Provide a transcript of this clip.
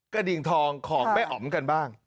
ดิ่งทองของแม่อ๋อมกันบ้าง